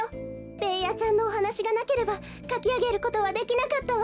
ベーヤちゃんのおはなしがなければかきあげることはできなかったわ。